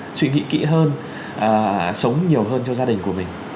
chúng ta suy nghĩ kỹ hơn sống nhiều hơn cho gia đình của mình